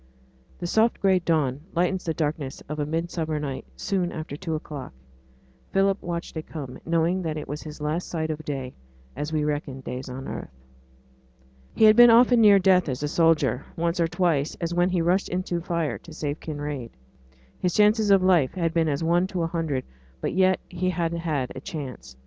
The soft gray dawn lightens the darkness of a midsummer night soon after two o'clock. Philip watched it come, knowing that it was his last sight of day, as we reckon days on earth. He had been often near death as a soldier; once or twice, as when he rushed into fire to save Kinraid, his chances of life had been as one to a hundred; but yet he had had a chance.